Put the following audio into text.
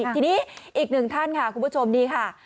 ทีนี้อีกหนึ่งท่านค่ะคุณผู้ชมนี่ค่ะ